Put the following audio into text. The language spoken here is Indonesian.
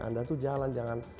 anda tuh jalan jangan